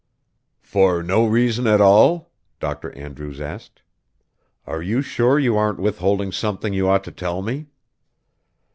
"For no reason at all?" Dr. Andrews asked. "Are you sure you aren't withholding something you ought to tell me?"